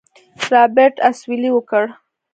رابرټ اسويلى وکړ.